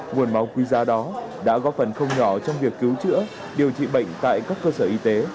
nguồn máu quý giá đó đã góp phần không nhỏ trong việc cứu chữa điều trị bệnh tại các cơ sở y tế